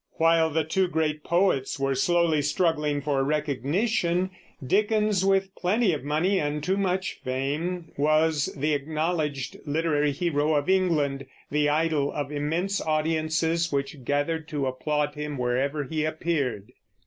While the two great poets were slowly struggling for recognition, Dickens, with plenty of money and too much fame, was the acknowledged literary hero of England, the idol of immense audiences which gathered to applaud him wherever he appeared.